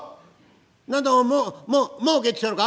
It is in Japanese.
何だもうもう帰ってきたのか？」。